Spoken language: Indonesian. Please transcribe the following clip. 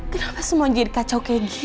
kenapa semua jadi kacau kayak gini